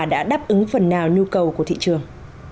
đã đáp ứng phần nào nhu cầu của thị trường